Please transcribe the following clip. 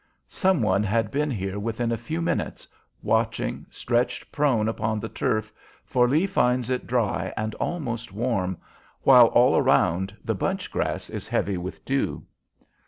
Some one has been here within a few minutes, watching, stretched prone upon the turf, for Lee finds it dry and almost warm, while all around the bunch grass is heavy with dew.